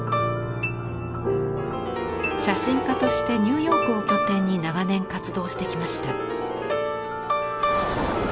写真家としてニューヨークを拠点に長年活動してきました。